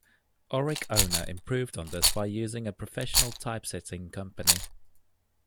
"Oric Owner" improved on this by using a professional typsetting company.